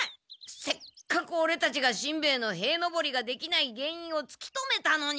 せっかくオレたちがしんべヱの塀のぼりができない原因をつき止めたのに！